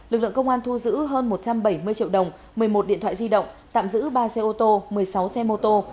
lực lượng công an thu giữ hơn một trăm bảy mươi triệu đồng một mươi một điện thoại di động tạm giữ ba xe ô tô một mươi sáu xe mô tô